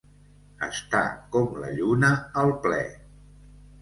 Estar com la lluna al ple.